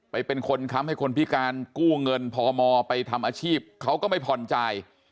เป็นคนค้ำให้คนพิการกู้เงินพมไปทำอาชีพเขาก็ไม่ผ่อนจ่าย